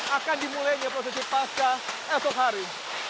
akan dimulainya prosesi pasca esok hari